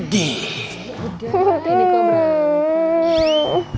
udah ini kumrah